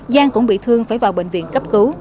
giang cũng bị thương phải vào bệnh viện cấp cứu